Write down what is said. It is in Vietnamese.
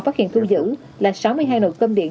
phát hiện thu giữ là sáu mươi hai nồi cơm điện